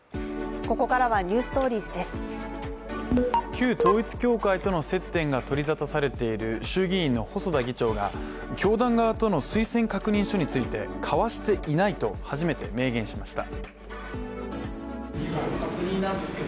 旧統一教会との接点が取り沙汰されている衆議院の細田議長が教団側との推薦確認書について交わしていないと初めて明言しました。